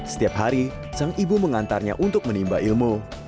setiap hari sang ibu mengantarnya untuk menimba ilmu